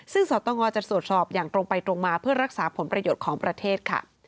ซึ่งสตงจะตรวจสอบอย่างตรงไปตรงมาเพื่อรักษาผลประโยชน์ของประเทศค่ะ